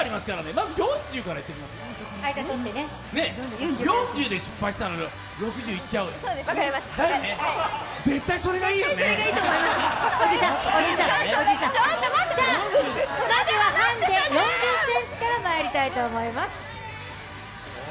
まずはハンデ、４０ｃｍからまいりたいと思います。